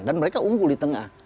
dan mereka unggul di tengah